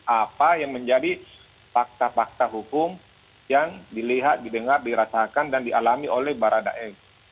apa yang menjadi fakta fakta hukum yang dilihat didengar dirasakan dan dialami oleh baradae